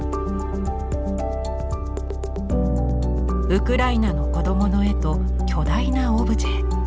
ウクライナの子どもの絵と巨大なオブジェ。